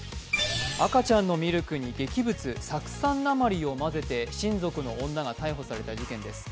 赤ちゃんのミルクに劇物、酢酸鉛を混ぜて親族の女が逮捕された事件です。